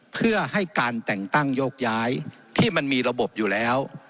เพื่อให้การแต่งตั้งโยกย้ายที่มันมีระบบอยู่แล้ว